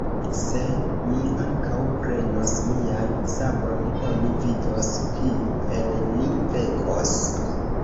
Se mi ankaŭ prenos mian sabron, oni vidos, kiu el ni venkos.